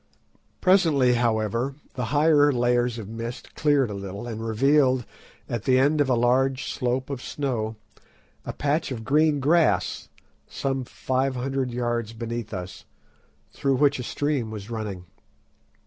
Presently, however, the higher layers of mist cleared a little, and revealed, at the end of a long slope of snow, a patch of green grass, some five hundred yards beneath us, through which a stream was running.